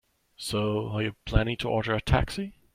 So, are you planning to order a taxi?